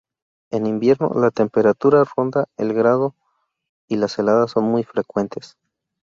En invierno, la temperatura ronda el grado y las heladas son muy frecuentes.